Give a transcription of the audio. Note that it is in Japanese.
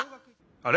あれ？